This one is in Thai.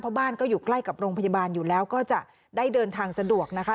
เพราะบ้านก็อยู่ใกล้กับโรงพยาบาลอยู่แล้วก็จะได้เดินทางสะดวกนะคะ